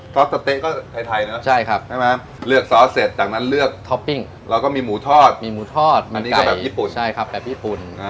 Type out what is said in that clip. ซอสสะเต๊ะก็ไทยเนอะใช่ไหมเลือกซอสเสร็จจากนั้นเลือกทอปปิ้งแล้วก็มีหมูทอดอันนี้ก็แบบญี่ปุ่น